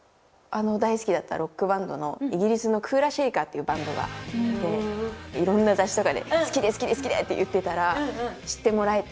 ロックバンドのイギリスのクーラ・シェイカーっていうバンドがいていろんな雑誌とかで好きで好きで好きでって言ってたら知ってもらえて。